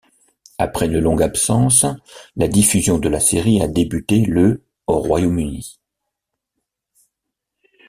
Après une longue absence, la diffusion de la série a débuté le au Royaume-Uni.